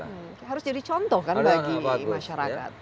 harus jadi contoh kan bagi masyarakat